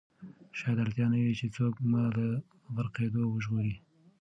شاید اړتیا نه وي چې څوک مې له غرقېدو وژغوري.